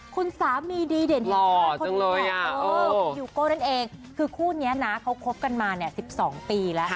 คุณสามีดีเด่นที่พ่อคนนี้พี่ฮิวโก้นั่นเองคือคู่นี้นะเขาคบกันมาเนี่ย๑๒ปีแล้ว